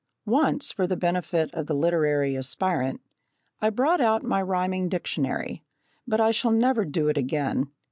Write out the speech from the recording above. Once, for the benefit of the literary aspirant, I brought out my rhyming dictionary, but I shall never do it again.